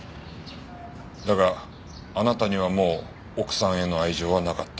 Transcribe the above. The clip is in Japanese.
だがあなたにはもう奥さんへの愛情はなかった。